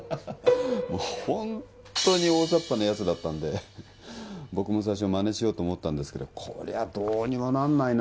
もうホントに大ざっぱなヤツだったんで僕も最初マネしようと思ったけど「こりゃどうにもなんないな」